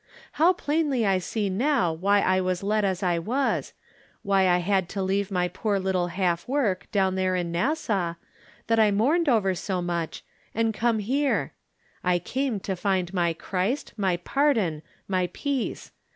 How plainly I see now why I was led as I was ; why I had to leave my poor little half work, down there in Nassau, that I mourned over so much, and come here. I came to find my Christ, my pardon, my peace.